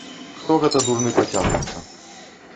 Хто гэта дурны пацягнецца!